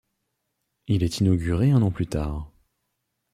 Il est inauguré un an plus tard.